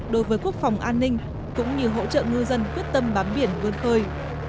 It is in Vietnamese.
đối với quốc phòng an ninh cũng như hỗ trợ ngư dân quyết tâm bám biển vươn khơi